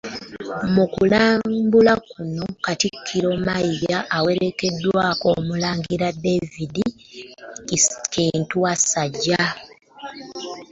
Mu kulambula kuno, Katikkiro Mayiga awerekeddwako; Omulangira David Kintu Wasajja.